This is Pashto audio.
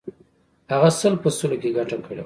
هغه سل په سلو کې ګټه کړې وه.